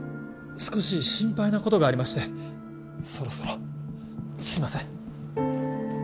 少し心配なことがありましてそろそろすいません